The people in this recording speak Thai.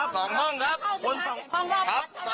สามเดือนนี้แล้วกินมื้อเดียวครับ